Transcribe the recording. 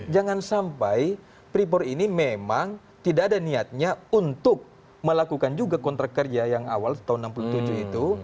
jangan sampai freeport ini memang tidak ada niatnya untuk melakukan juga kontrak kerja yang awal tahun seribu sembilan ratus tujuh itu